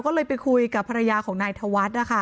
ก็เลยไปคุยกับภรรยาของนายทวัฏ